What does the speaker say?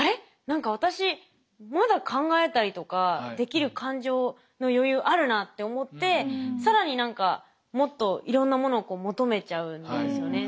何か私まだ考えたりとかできる感情の余裕あるなって思って更に何かもっといろんなものをこう求めちゃうんですよね。